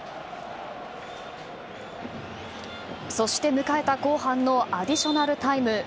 そして迎えた後半のアディショナルタイム。